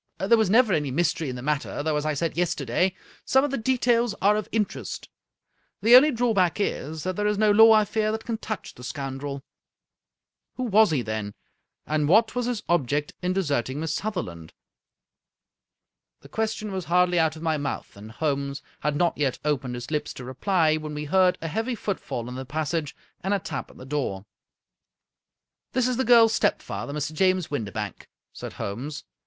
There was never any mystery in the matter, though, as I said yesterday, some of the details are of in terest. The only drawback is that there is no law, I fear, that can touch the scoundrel." " Who was he, then, and what was his object in desert ing Miss Sutherland?" The question was hardly out of my mouth, and Holmes had not yet opened his lips to reply, when we heard a heavy footfall in the passage, and a tap at the door. "This is the girl's stepfather, Mr. James Windibank," said Holmes.